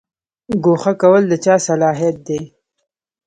ګوښه کول د چا صلاحیت دی؟